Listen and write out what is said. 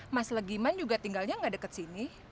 mas legiman juga tinggalnya nggak deket sini